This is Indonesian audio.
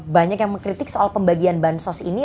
banyak yang mengkritik soal pembagian bansos ini